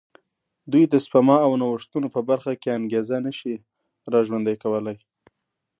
دوی د سپما او نوښتونو په برخه کې انګېزه نه شي را ژوندی کولای.